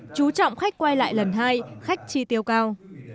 kế hoạch đề ra chú trọng khách quay lại lần hai khách chi tiêu cao